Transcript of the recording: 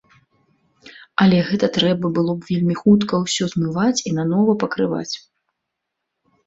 Але гэта трэба было б вельмі хутка ўсё змываць і нанова пакрываць.